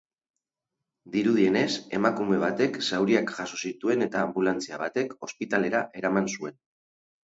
Dirudienez, emakume batek zauriak jaso zituen eta anbulatzia batek ospitalera eraman zuen.